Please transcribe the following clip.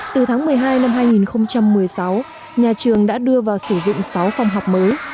từ tháng một mươi hai năm hai nghìn một mươi sáu nhà trường đã đưa vào sử dụng sáu phòng học mới